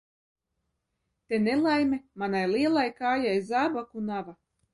Te nelaime – manai lielai kājai zābaku nava.